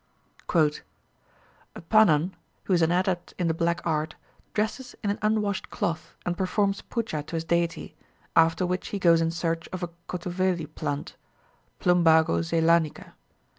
"A Panan, who is an adept in the black art, dresses in an unwashed cloth, and performs puja to his deity, after which he goes in search of a kotuveli plant (Plumbago zeylanica).